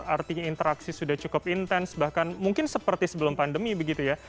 artinya interaksi sudah cukup intens bahkan mungkin seperti sebelum pandemi begitu ya